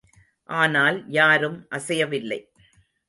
ஆனால் யாரும் அசையவில்லை.